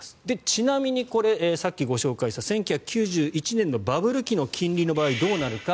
ちなみに、これさっきご紹介した１９９１年のバブル期の金利の場合どうなるか。